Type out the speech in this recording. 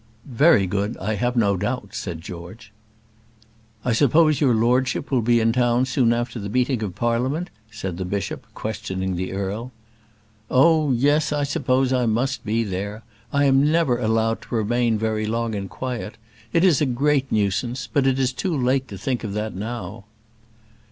"Very good, I have no doubt," said George. "I suppose your lordship will be in town soon after the meeting of Parliament?" said the bishop, questioning the earl. "Oh! yes; I suppose I must be there. I am never allowed to remain very long in quiet. It is a great nuisance; but it is too late to think of that now."